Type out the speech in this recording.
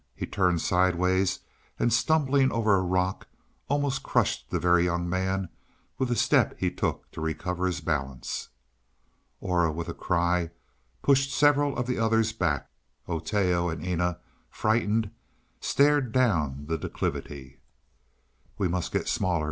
He turned sidewise, and stumbling over a rock almost crushed the Very Young Man with the step he took to recover his balance. Aura, with a cry, pushed several of the others back; Oteo and Eena, frightened, started down the declivity. "We must get smaller!"